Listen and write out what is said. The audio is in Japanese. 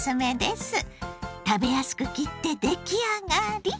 食べやすく切ってできあがり